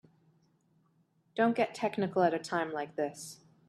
Don't get technical at a time like this.